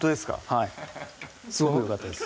はいすごくよかったです